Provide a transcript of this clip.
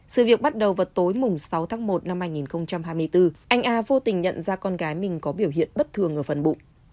sự việc bắt đầu vào tối mùng sáu tháng một năm hai nghìn hai mươi bốn anh a vô tình nhận ra con gái mình có biểu hiện bất thường ở phần bụng